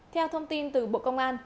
theo thông tin từ bộ công an